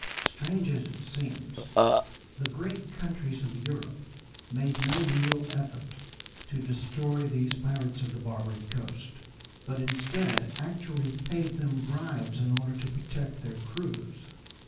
Strange as it seems, the great countries of Europe made no real effort to destroy these pirates of the Barbary coast, but instead actually paid them bribes in order to protect their crews.